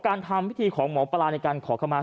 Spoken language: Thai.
การทำพิธีของหมอปลาในการขอเข้ามา